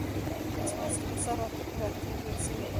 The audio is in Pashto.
له آسمان څخه څه راته رسېږي.